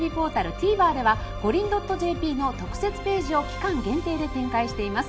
ＴＶｅｒではｇｏｒｉｎ．ｊｐの特設ページを期間限定で展開しています。